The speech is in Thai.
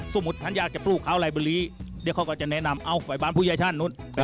สมมติท่านอยากจะปลูกขาวไลเบลีเขาก็ควรจะแนะนำเอาไปบ้านผู้ใหญ่ฉัน